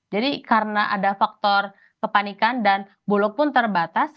jadi karena ada faktor kepanikan dan buluk pun terbatas